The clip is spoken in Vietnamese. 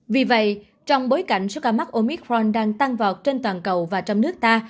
vì vậy trong bối cảnh số ca mắc omitron đang tăng vọt trên toàn cầu và trong nước ta